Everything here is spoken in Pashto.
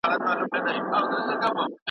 مدیتیشن د ذهن د تمرکز لپاره دی.